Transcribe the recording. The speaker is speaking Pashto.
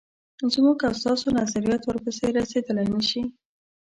زموږ او ستاسو نظریات ورپسې رسېدلای نه شي.